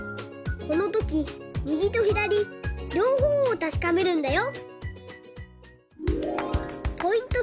このときみぎとひだりりょうほうをたしかめるんだよ！